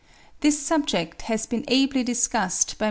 This subject has been ably discussed by Mr. W.